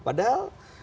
padahal biasa saja